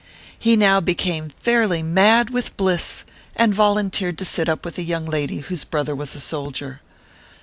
He now became fairly mad with bliss, and volunteered to sit up with a young lady whose brother was a soldier.